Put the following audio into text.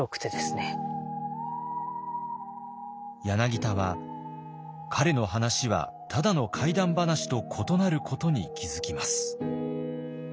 柳田は彼の話はただの怪談話と異なることに気付きます。